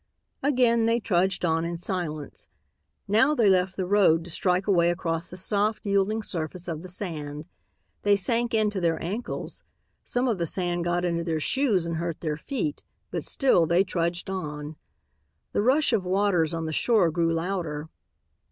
Again they trudged on in silence. Now they left the road to strike away across the soft, yielding surface of the sand. They sank in to their ankles. Some of the sand got into their shoes and hurt their feet, but still they trudged on. The rush of waters on the shore grew louder.